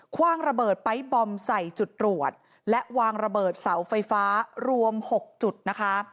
คว่างระเบิดไป๊บอมใส่จุดตรวจและวางระเบิดเสาไฟฟ้ารวม๖จุดนะคะ